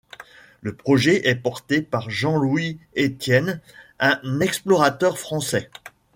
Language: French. Le projet est porté par Jean-Louis Étienne, un explorateur français.